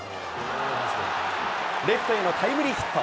レフトへのタイムリーヒット。